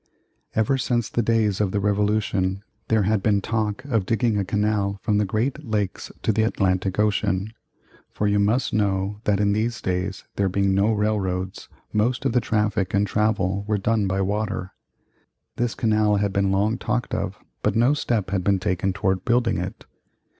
Ever since the days of the Revolution there had been talk of digging a canal from the Great Lakes to the Atlantic Ocean; for you must know that in these days there being no railroads, most of the traffic and travel were done by water. This canal had been long talked of, but no step had been taken toward building it.